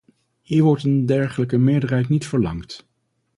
Hier wordt een dergelijke meerderheid niet verlangd.